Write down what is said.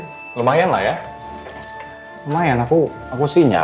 terima kasih banyak various shimmy